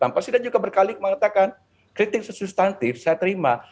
pasti juga berkali kali mengatakan kritik substantif saya terima